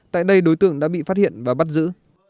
tại đây đối tượng đã bị phát hiện và bắt giữ